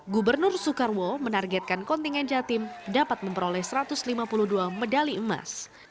gubernur soekarwo menargetkan kontingen jatim dapat memperoleh satu ratus lima puluh dua medali emas